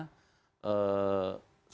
saya tidak nyalakan